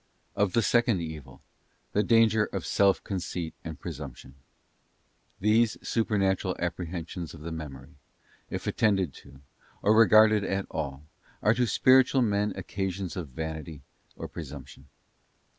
Of the second evil: the danger of self conceit and presumption. Revond evil, Turse Supernatural Apprehensions of the Memory, if attended Pride. to, or regarded at all, are to spiritual men occasions of vanity or presumption.